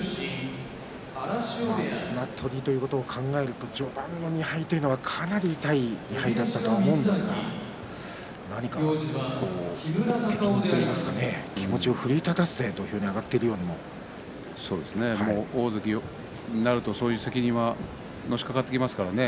綱取りということを考えると序盤の２敗はかなり痛いと思うんですが気持ちを奮い立たせて土俵に上がっているように大関になるとそういう責任がのしかかってきますからね。